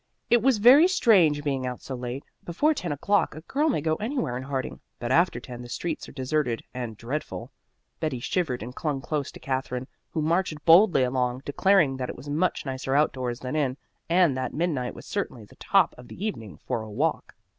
It was very strange being out so late. Before ten o'clock a girl may go anywhere in Harding, but after ten the streets are deserted and dreadful. Betty shivered and clung close to Katherine, who marched boldly along, declaring that it was much nicer outdoors than in, and that midnight was certainly the top of the evening for a walk.